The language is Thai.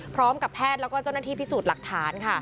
พร้อมกับแพทย์แล้วก็เจ้าหน้าที่พิสูจน์หลักฐานค่ะ